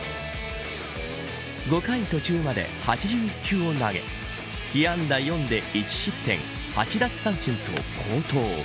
５回途中まで８１球を投げ被安打４で１失点８奪三振と好投。